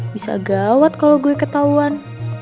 bisa gawat kalau gue ketahuan